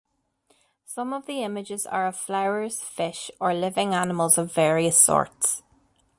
Some of the images are of flowers, fish, or living animals of various sorts.